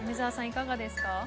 いかがですか？